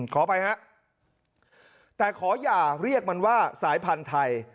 ขออภัยฮะแต่ขออย่าเรียกมันว่าสายพันธุ์ไทย